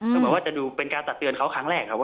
ก็เหมือนว่าจะดูเป็นการตักเตือนเขาครั้งแรกครับว่า